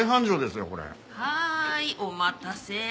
はいお待たせ。